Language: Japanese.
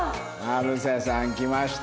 成瀬さん来ました。